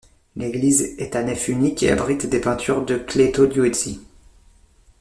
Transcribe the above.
L'église est à nef unique et abrite des peintures de Cleto Liuzzi.